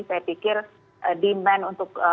saya pikir demand untuk